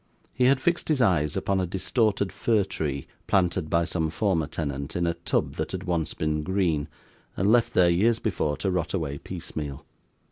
He had fixed his eyes upon a distorted fir tree, planted by some former tenant in a tub that had once been green, and left there, years before, to rot away piecemeal.